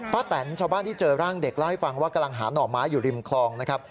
แตนชาวบ้านที่เจอร่างเด็กเล่าให้ฟังว่ากำลังหาหน่อไม้อยู่ริมคลองนะครับ